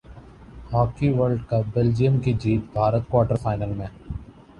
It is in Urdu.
ہاکی ورلڈ کپ بیلجیم کی جیت بھارت کوارٹر فائنل میں